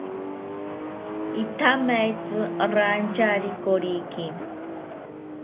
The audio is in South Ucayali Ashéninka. Ithamaetzi rantyari koriki